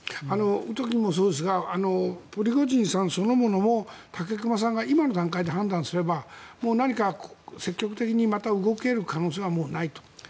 ウトキンもそうですがプリゴジンさんそのものも武隈さんが今の段階で判断すれば何か積極的にまた動ける可能性はもうないと。